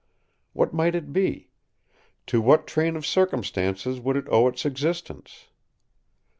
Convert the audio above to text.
What might it be? To what train of circumstances would it owe its existence?